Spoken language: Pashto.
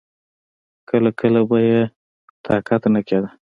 کله کله به يې طاقت نه کېده.